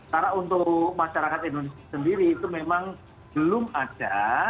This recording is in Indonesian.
karena untuk masyarakat indonesia sendiri itu memang belum ada